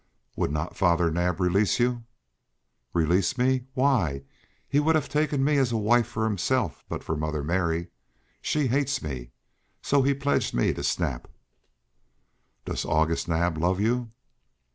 "Would not Father Naab release you?" "Release me? Why, he would have taken me as a wife for himself but for Mother Mary. She hates me. So he pledged me to Snap." "Does August Naab love you?"